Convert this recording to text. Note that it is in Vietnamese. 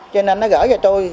cho nên nó gỡ cho tôi